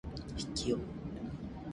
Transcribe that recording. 筆記用具